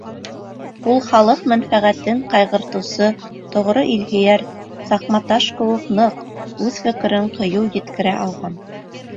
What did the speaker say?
Ул халыҡ мәнфәғәтен ҡайғыртыусы тоғро илһөйәр, саҡматаш кеүек ныҡ, үҙ фекерен ҡыйыу еткерә алған.